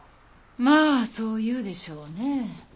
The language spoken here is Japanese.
まあそう言うでしょうね。